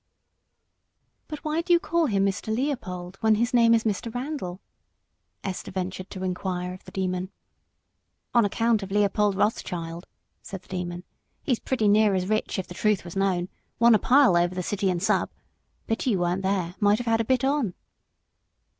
"But why do you call him Mr. Leopold when his name is Mr. Randal?" Esther ventured to inquire of the Demon. "On account of Leopold Rothschild," said the Demon; "he's pretty near as rich, if the truth was known won a pile over the City and Sub. Pity you weren't there; might have had a bit on."